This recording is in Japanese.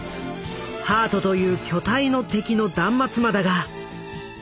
ハートという巨体の敵の断末魔だが。